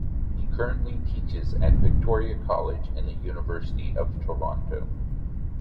He currently teaches at Victoria College in the University of Toronto.